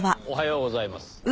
おはようございます。